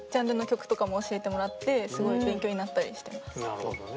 なるほどね。